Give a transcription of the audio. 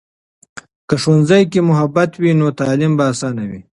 که ښوونځي کې محبت وي، نو تعلیم به آسانه وي.